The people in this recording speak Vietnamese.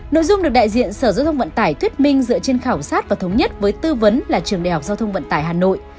nội dung được đại diện sở giao thông vận tải thuyết minh dựa trên khảo sát và thống nhất với tư vấn là trường đại học giao thông vận tải hà nội